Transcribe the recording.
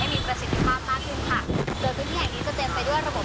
ได้มีประสิทธิ์ความมากยุ่งค่ะเดี๋ยววิธีแห่งนี้จะเต็มไปด้วยระบบ